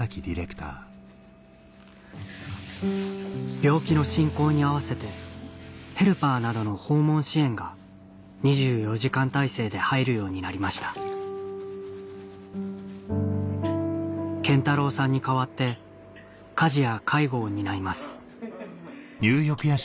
病気の進行に合わせてヘルパーなどの訪問支援が２４時間体制で入るようになりました謙太郎さんに変わって家事や介護を担います